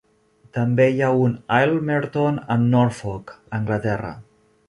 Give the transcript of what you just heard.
També hi ha un Aylmerton a Norfolk, Anglaterra.